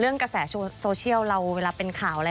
กระแสโซเชียลเราเวลาเป็นข่าวอะไร